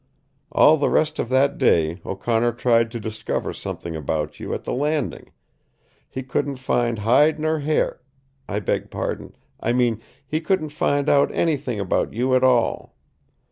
All the rest of that day O'Connor tried to discover something about you at the Landing. He couldn't find hide nor hair I beg pardon! I mean he couldn't find out anything about you at all.